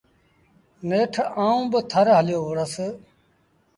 نيٺ آئوٚݩ با ٿر هليو وُهڙس۔